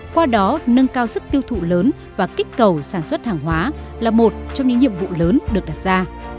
qua đó nâng cao sức tiêu thụ lớn và kích cầu sản xuất hàng hóa là một trong những nhiệm vụ lớn được đặt ra